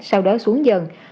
sau đó xuống dần